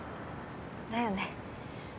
だよね。